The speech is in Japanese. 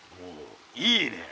いいねえ。